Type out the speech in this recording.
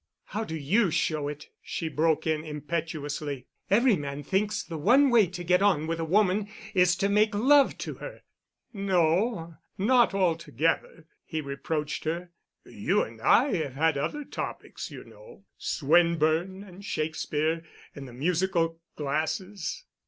"How do you show it?" she broke in impetuously. "Every man thinks the one way to get on with a woman is to make love to her——" "No—not altogether," he reproached her. "You and I have had other topics, you know—Swinburne and Shakespeare and the musical glasses."